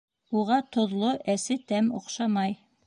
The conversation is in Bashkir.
Уға тоҙло, әсе тәм оҡшамай.